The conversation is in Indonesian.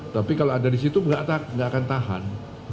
tapi kalau ada di situ nggak akan tahan